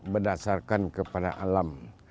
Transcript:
berdasarkan kepada alam